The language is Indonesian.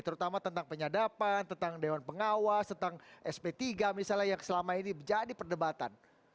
terutama tentang penyadapan tentang dewan pengawas tentang sp tiga misalnya yang selama ini menjadi perdebatan